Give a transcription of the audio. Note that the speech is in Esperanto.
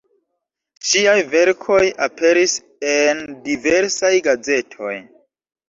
Ŝiaj verkoj aperis en diversaj gazetoj.